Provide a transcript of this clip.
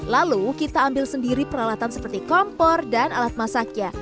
lalu kita ambil sendiri peralatan seperti kompor dan alat masaknya